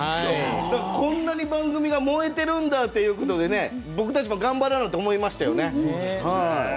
こんなに番組が燃えてるんだっていうことで僕たちも頑張らなって思いましたよね。